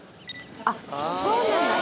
あっそうなんだ